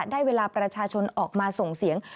ได้เวลาประชาชนออกมาส่งเสียง